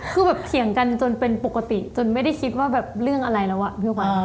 คือเถียงกันจนเป็นปกติจนไม่ได้คิดว่าเรื่องอะไรแล้ว